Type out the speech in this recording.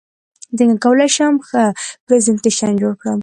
څنګه کولی شم ښه پرزنټیشن جوړ کړم